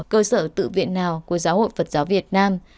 cơ sở tự viện nào của giáo hội phật giáo việt nam